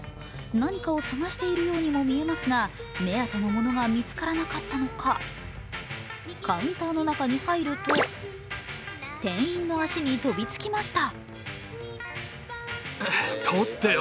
何かを探しているようにも見えますが目当てものが見つからなかったのかカウンターの中に入ると店員の足に飛びつきました。